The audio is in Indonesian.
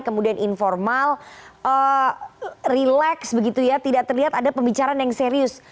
kemudian informal relax begitu ya tidak terlihat ada pembicaraan yang serius